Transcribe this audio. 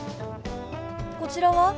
こちらは？